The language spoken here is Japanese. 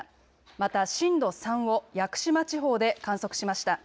また震度３を屋久島地方で観測しました。